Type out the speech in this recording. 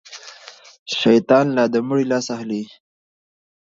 شيطان لا د مړي لاس اخلي.